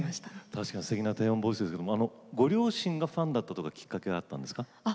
確かにすてきな低音ボイスですけどもご両親がファンだったとかきっかけはあったんですか？